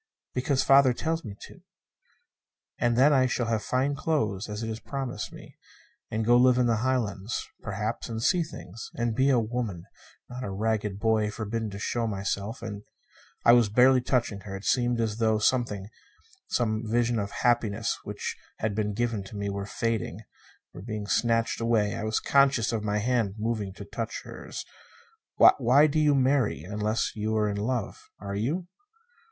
"Because father tells me to. And then I shall have fine clothes: it is promised me. And go to live in the Highlands, perhaps. And see things; and be a woman, not a ragged boy forbidden to show myself; and "I was barely touching her. It seemed as though something some vision of happiness which had been given me were fading, were being snatched away. I was conscious of my hand moving to touch hers. "Why do you marry unless you're in love? Are you?"